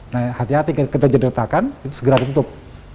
nah hati hati ketika ada retakan itu segera ditutup